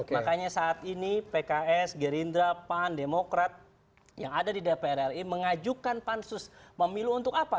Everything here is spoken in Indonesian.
makanya saat ini pks gerindra pan demokrat yang ada di dpr ri mengajukan pansus pemilu untuk apa